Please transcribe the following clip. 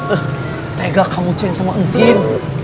eh tegak kamu ceng sama entin